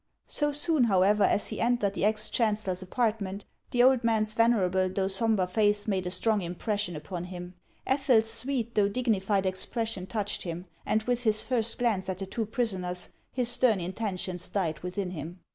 So soon, however, as he entered the ex chancellor's apartment, the old man's venerable though sombre face made a strong impression upon him ; Ethel's sweet though dignified expression touched him ; and with his first glance at the two prisoners, his stern intentions died within him.